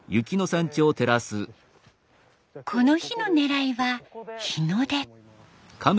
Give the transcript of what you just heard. この日の狙いは日の出。